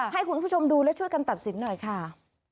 ให้คุณผู้ชมดูและช่วยกันตัดสินหน่อยค่ะ